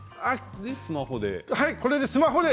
スマホで。